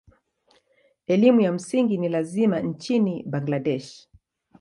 Elimu ya msingi ni ya lazima nchini Bangladesh.